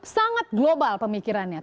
sangat global pemikirannya